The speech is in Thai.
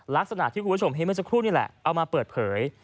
ลักษณะที่คุณผู้ชมเห็นเมื่อสักครู่นี่แหละเอามาเปิดเผย